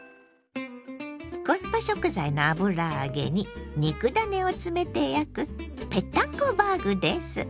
コスパ食材の油揚げに肉ダネを詰めて焼くぺったんこバーグです。